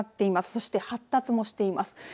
そして発達もしています。